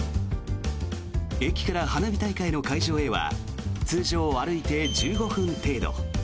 駅から花火大会の会場へは通常、歩いて１５分程度。